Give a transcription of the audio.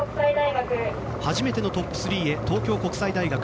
初めてのトップ３へ東京国際大学。